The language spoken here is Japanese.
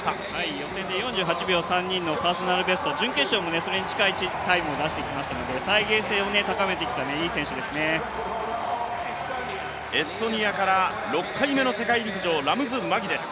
予選でいいタイムを出してきましたが、準決勝もそれに近いタイムを出してきましたので再現性を高めてきたエストニアから６回目の世界陸上、ラムズ・マギです。